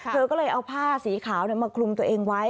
เธอก็เลยเอาผ้าสีขาวมาคลุมตัวเองไว้